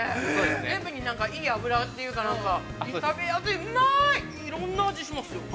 全部にいい脂というか、食べやすい、うまい！◆いろんな味しますよ。